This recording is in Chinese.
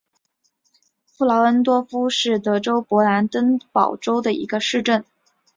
弗劳恩多夫是德国勃兰登堡州的一个市镇。